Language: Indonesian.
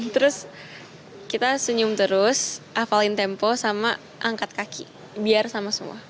terus kita senyum terus hafalin tempo sama angkat kaki biar sama semua